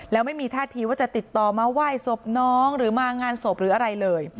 แล้วไม่มีท่าทีว่าจะติดต่อมาไหว้ศพน้องหรือมางานศพหรืออะไรเลย